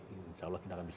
insya allah kita akan bisa